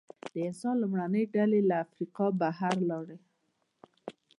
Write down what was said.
د انسان لومړنۍ ډلې له افریقا بهر ولاړې.